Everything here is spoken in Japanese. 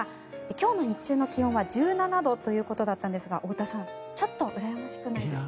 今日の日中の気温は１７度ということだったんですが太田さん、ちょっとうらやましくないですか？